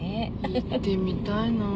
行ってみたいな。